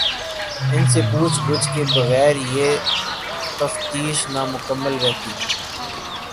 ان سے پوچھ گچھ کے بغیر یہ تفتیش نامکمل رہتی۔